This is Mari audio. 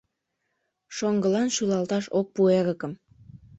Шоҥгылан шӱлалташ ок пу эрыкым: